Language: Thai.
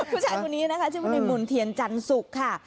ผู้ชายคุณนี้นะคะชื่อพระมุนเทียนจันสุกค่ะ